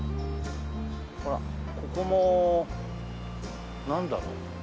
ほらここもなんだろう？